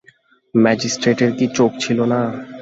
ম্যাজিস্ট্রেটের কি চোখ ছিল না?